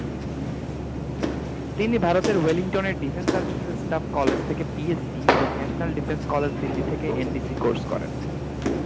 তিনি ভারতের ওয়েলিংটনের ডিফেন্স সার্ভিসেস স্টাফ কলেজ থেকে পিএসসি এবং ন্যাশনাল ডিফেন্স কলেজ দিল্লী থেকে এনডিসি কোর্স করেন।